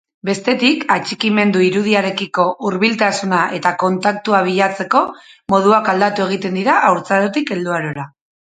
Bestetik, atxikimendu-irudiarekiko hurbiltasuna eta kontaktua bilatzeko moduak aldatu egiten dira haurtzarotik helduarora.